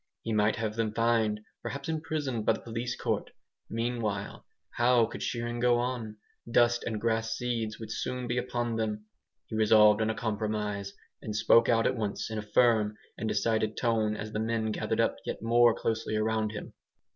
He might have them fined, perhaps imprisoned by the police court. Meanwhile, how could shearing go on? Dust and grass seeds would soon be upon them. He resolved on a compromise, and spoke out at once in a firm and decided tone as the men gathered up yet more closely around him.